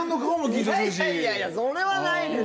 いやいやそれはないでしょ。